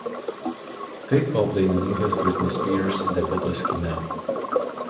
Tai pop dainininkės Britney Spears debiutas kine.